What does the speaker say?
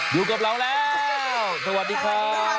ดูกับเราแล้วสวัสดีค่ะ